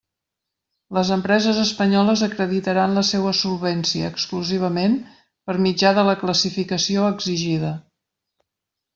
Les empreses espanyoles acreditaran la seua solvència, exclusivament, per mitjà de la classificació exigida.